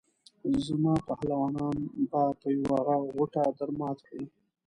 زما پهلوانان به په یوه غوټه درمات کړي.